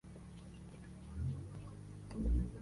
La capilla se comunica con la residencia por una tribuna.